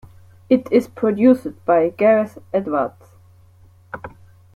It is produced by Gareth Edwards.